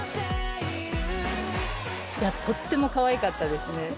とってもかわいかったですね。